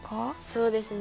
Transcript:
そうですね